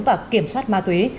và kiểm soát ma túy